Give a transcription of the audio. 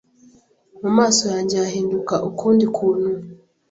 mu maso yanjye hahinduka ukundi kuntu,